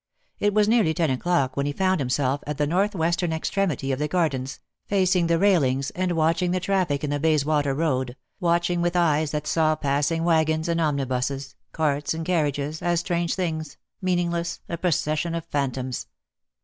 It was nearly ten o'clock when he found himself at the north western extremity of the gar dens, facing the railings, and watching the traffic in the Bayswater Road, watching with eyes that saw passing waggons and omnibuses, carts and car riages, as strange things, meaningless, a procession of phantoms.